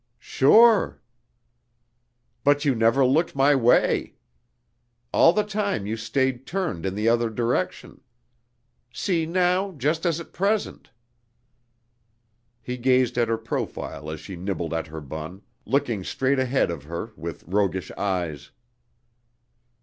"Sure." "But you never looked my way. All the time you stayed turned in the other direction.... See now, just as at present...." He gazed at her profile as she nibbled at her bun, looking straight ahead of her with roguish eyes.